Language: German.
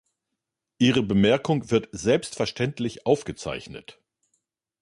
Ihre Bemerkung wird selbstverständlich aufgezeichnet.